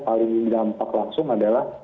paling berdampak langsung adalah